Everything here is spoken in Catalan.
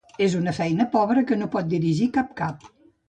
És una feina pobra que no pot dirigir cap cap.